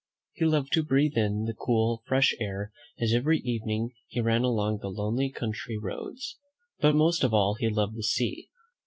He loved to breathe in the cool, fresh air, as every evening he ran along the lonely country roads; but most of all he loved the sea.